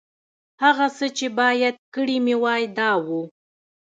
هغه څه چې باید کړي مې وای، دا و.